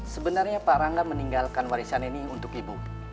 sebenarnya pak rangga meninggalkan warisan ini untuk ibu